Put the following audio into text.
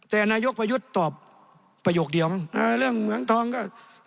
แต่นายกประยุทธ์ตอบประโยคเดียวเรื่องเหมืองทองก็